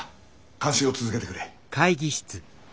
監視を続けてくれ。